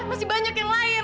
masih banyak yang lain